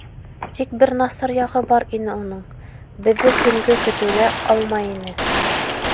Тик бер насар яғы бар ине уның: беҙҙе төнгө көтөүгә алмай ине.